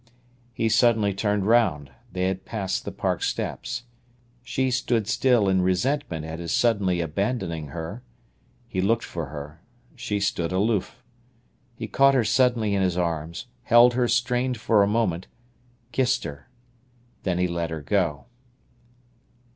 He suddenly turned round. They had passed the Park steps. She stood still in resentment at his suddenly abandoning her. He looked for her. She stood aloof. He caught her suddenly in his arms, held her strained for a moment, kissed her. Then he let her go.